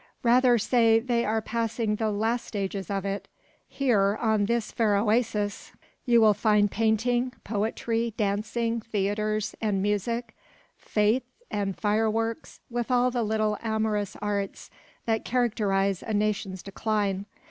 "Rather say they are passing the last stages of it. Here, on this fair oasis, you will find painting, poetry, dancing, theatres, and music, fetes and fireworks, with all the little amorous arts that characterise a nation's decline.